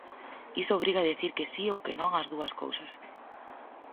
Iso obriga a dicir que si ou que non ás dúas cousas.